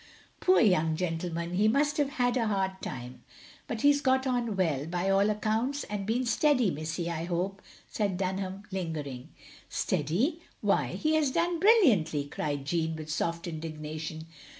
"Poor young gentleman, he must have had a hard time, but he 's got on well, by all accounts and been steady, missy, I hope," said Dtmham lingering. "Steady! Why he has done brilliantly!" cried Jeanne, with soft indignation.